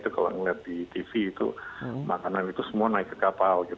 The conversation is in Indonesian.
kalau ngelihat di tv itu makanan itu semua naik ke kapal